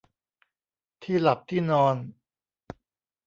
ที่หลับที่นอน